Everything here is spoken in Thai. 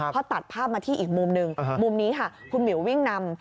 พอตัดภาพมาที่อีกมุมหนึ่งมุมนี้ค่ะคุณหมิววิ่งนำ